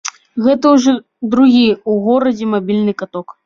Гэта ўжо другі ў горадзе мабільны каток.